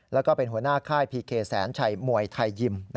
แล้วก็เป็นหัวหน้าค่ายพีเคแสนชัยมวยไทยยิม